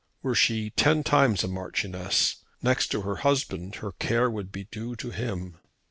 Were she ten times a Marchioness, next to her husband her care would be due to him.